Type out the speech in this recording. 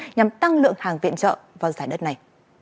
nhằm tăng lượng hàng viện trợ vào giải đất này